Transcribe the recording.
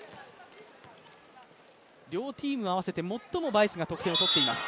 両チーム合わせて最もバイスが得点を取っています。